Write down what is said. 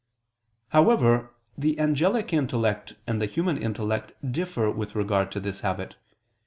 However, the angelic intellect and the human intellect differ with regard to this habit.